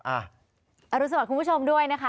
อารุสมัครคุณผู้ชมด้วยนะคะ